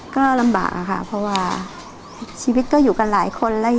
ก็ลำบากค่ะเพราะว่าชีวิตก็อยู่กันหลายคนแล้ว